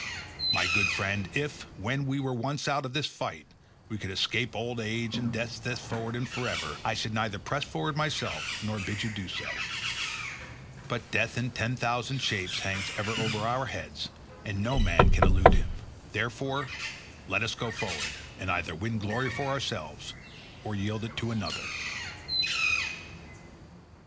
My good friend, if, when we were once out of this fight, we could escape old age and death thenceforward and forever, I should neither press forward myself nor bid you do so, but death in ten thousand shapes hangs ever over our heads, and no man can elude him; therefore let us go forward and either win glory for ourselves, or yield it to another."